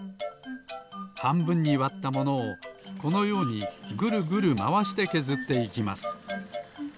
はんぶんにわったものをこのようにぐるぐるまわしてけずっていきます。